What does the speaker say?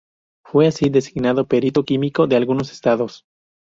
Fue así designado perito químico de algunos estados.